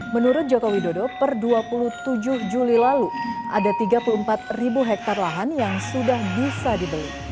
menurut joko widodo per dua puluh tujuh juli lalu ada tiga puluh empat ribu hektare lahan yang sudah bisa dibeli